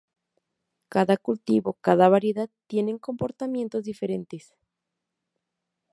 Cada cultivo, cada variedad tienen comportamientos diferentes.